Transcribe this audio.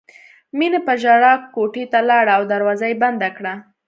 مینې په ژړا کوټې ته لاړه او دروازه یې بنده کړه